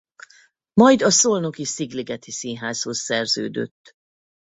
Majd a szolnoki Szigligeti Színházhoz szerződött.